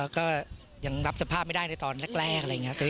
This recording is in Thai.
ก็ยังรับสภาพไม่ได้ในตอนแรกอะไรอย่างนี้